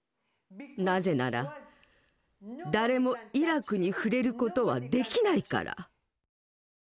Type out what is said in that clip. なぜなら誰もイラクに触れることはできないから。